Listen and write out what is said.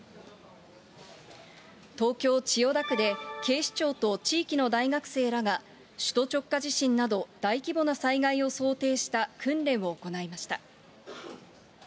東京・千代田区で、警視庁と地域の大学生らが、首都直下地震など大規模な災害を想定した訓練を行いました。